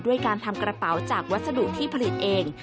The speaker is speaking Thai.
ด้วยการทำกระเป๋าจากวัสดุที่ผลิตเอง